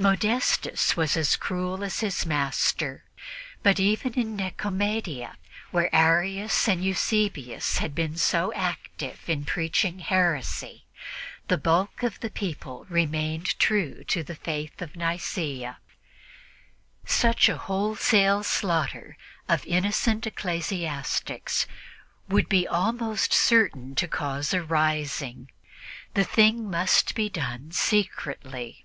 Modestus was as cruel as his master; but even in Nicomedia, where Arius and Eusebius had been so active in preaching heresy, the bulk of the people remained true to the Faith of Nicea. Such a wholesale slaughter of innocent ecclesiastics would be almost certain to cause a rising; the thing must be done secretly.